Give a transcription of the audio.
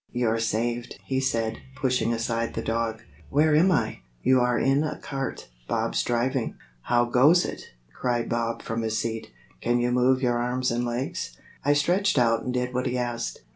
"You're saved," he said, pushing aside the dog. "Where am I?" "You are in a cart. Bob's driving." "How goes it?" cried Bob from his seat. "Can you move your arms and legs?" I stretched out and did what he asked.